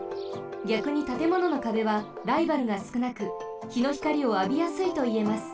ぎゃくにたてもののかべはライバルがすくなくひのひかりをあびやすいといえます。